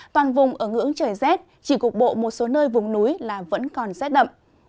toàn vùng ở ngưỡng trời rét chỉ cục bộ một số nơi vùng núi là vẫn còn rét đậm